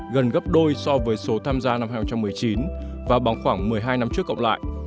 gần gấp đôi so với số tham gia năm hai nghìn một mươi chín và bằng khoảng một mươi hai năm trước cộng lại